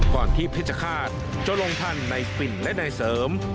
ก่อนที่พิจารณาคาศจะลงทันในสปินและในเสริม